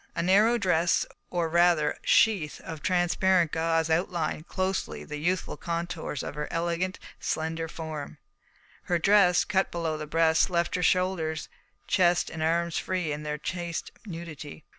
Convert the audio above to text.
A narrow dress, or rather sheath, of transparent gauze outlined closely the youthful contours of her elegant, slender form. Her dress, cut below the breast, left her shoulders, chest, and arms free in their chaste nudity.